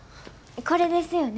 これですよね？